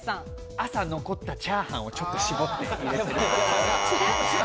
朝残ったチャーハンをちょっと絞って入れてる。